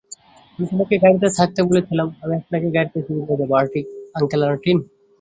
আমি তোমাকে গাড়িতে থাকতে বলেছিলাম আমি আপনাকে গাড়িতে ফিরিয়ে নিয়ে যাব, আংকেল মার্টিন।